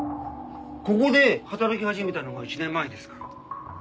ここで働き始めたのが１年前ですから。